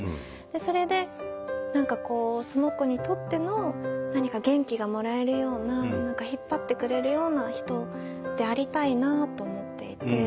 でそれで何かこうその子にとっての何か元気がもらえるような引っ張ってくれるような人でありたいなと思っていて。